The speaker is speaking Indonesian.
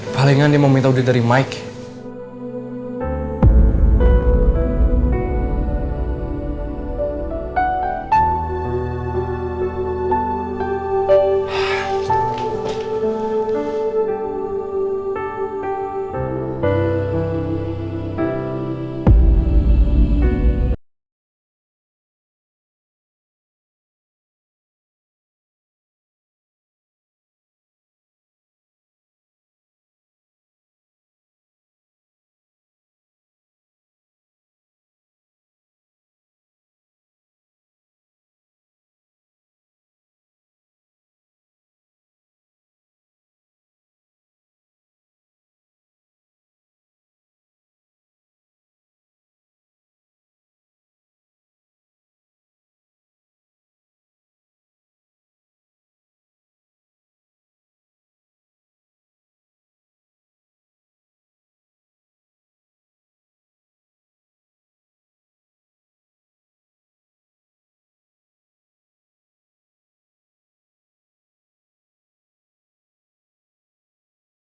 palingan dia mau minta ude dari mike